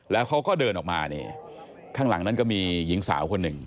แล้วเขาก็เดินออกมาเนี่ยข้างหลังนั้นก็มีหญิงสาวคนหนึ่ง